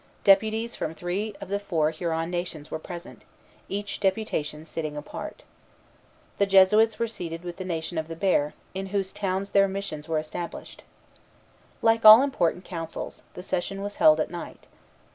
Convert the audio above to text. Deputies from three of the four Huron nations were present, each deputation sitting apart. The Jesuits were seated with the Nation of the Bear, in whose towns their missions were established. Like all important councils, the session was held at night.